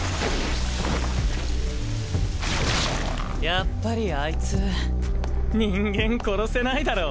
やっぱりあいつ人間殺せないだろ。